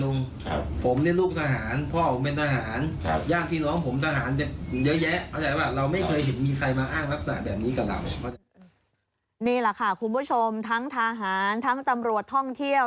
นี่แหละค่ะคุณผู้ชมทั้งทหารทั้งตำรวจท่องเที่ยว